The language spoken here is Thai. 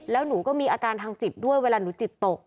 แล้วหนูก็มีอาการทางจิตด้วยเวลาหนูจิตตก